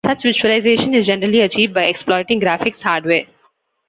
Such visualization is generally achieved by exploiting graphics hardware.